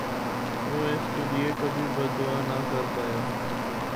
وُہ اس لئے کہ کبھی بد دُعا نہ کر پایا